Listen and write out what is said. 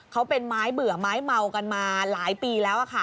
เขาเป็นไม้เบื่อไม้เมากันมาหลายปีแล้วค่ะ